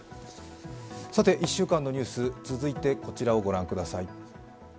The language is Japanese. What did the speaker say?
１週間のニュース、続いてこちらを御覧ください。